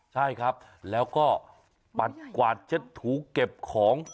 ใช่ครับแล้วก็ปัดกวาดเช็ดถูเก็บของ